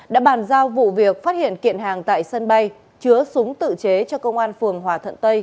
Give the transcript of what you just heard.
đã bàn giao vụ việc phát hiện kiện hàng tại sân bay chứa súng tự chế cho công an phường hòa thuận tây